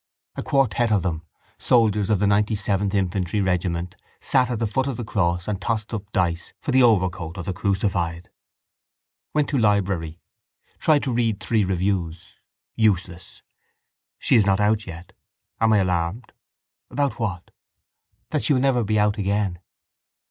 A quartet of them, soldiers of the ninetyseventh infantry regiment, sat at the foot of the cross and tossed up dice for the overcoat of the crucified. Went to library. Tried to read three reviews. Useless. She is not out yet. Am I alarmed? About what? That she will never be out again.